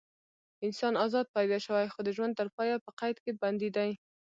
انسان ازاد پیدا شوی خو د ژوند تر پایه په قید کې بندي دی.